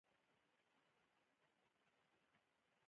لکه د مقابل کس کلتور، ارزښتونه، باورونه .